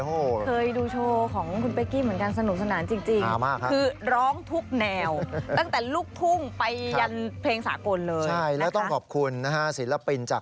เคยดูโชว์ของคุณเป๊กกี้เหมือนกัน